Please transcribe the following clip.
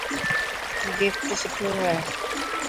گفٽ سٺو هي.